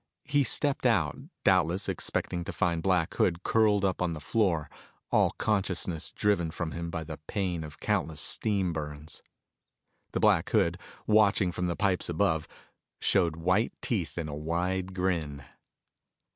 He stepped out, doubtless expecting to find Black Hood curled up on the floor, all consciousness driven from him by the pain of countless steam burns. The Black Hood, watching from the pipes above, showed white teeth in a wide grin.